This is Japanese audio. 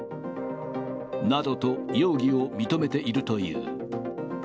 などと容疑を認めているという。